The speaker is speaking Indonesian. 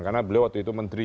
karena beliau waktu itu menteri